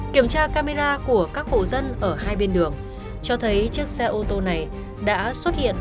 kiểm tra camera của các hộ dân ở hai bên đường cho thấy chiếc xe ô tô này đã xuất hiện